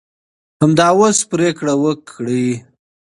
همدا اوس پرېکړه وکړئ.